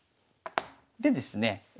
でですね